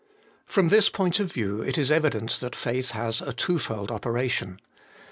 1 From this point of view it is evident that faith has a twofold operation.